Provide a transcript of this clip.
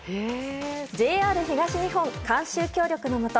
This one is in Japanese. ＪＲ東日本監修・協力のもと